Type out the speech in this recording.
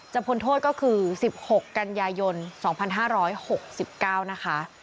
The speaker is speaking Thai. พ้นโทษก็คือ๑๖กันยายน๒๕๖๙นะคะ